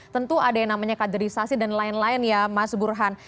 tentu ada yang namanya kaderisasi dan lain lain ya mas burhan